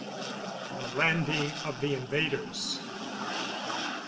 THE LANDING OF THE INVADERS.